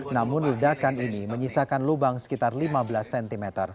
namun ledakan ini menyisakan lubang sekitar lima belas cm